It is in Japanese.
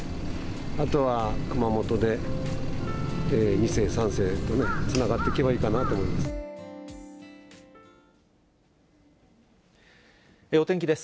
あとは熊本で２世３世とね、つながっていけばいいかなと思いお天気です。